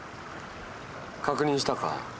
確認したか？